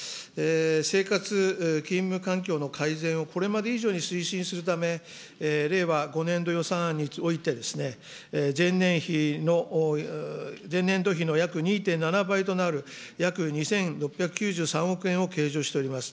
生活勤務環境の改善をこれまで以上に推進するため、令和５年度予算案においてですね、前年度比の約２．７倍となる、約２６９３億円を計上しております。